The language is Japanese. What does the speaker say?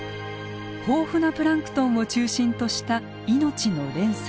豊富なプランクトンを中心とした命の連鎖。